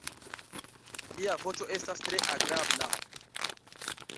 Lia voĉo estas tre agrabla.